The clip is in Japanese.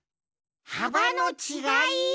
はばのちがい？